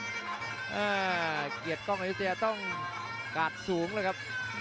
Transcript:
เอ่อเกียจกล้องไอวิทยาต้องกาดสูงเลยครับ